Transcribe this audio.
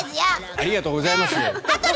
ありがとうございます。